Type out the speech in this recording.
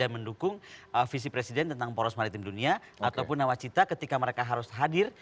mendukung visi presiden tentang poros maritim dunia ataupun nawacita ketika mereka harus hadir